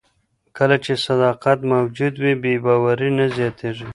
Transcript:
کله چې صداقت موجود وي، بې باوري نه زیاتیږي.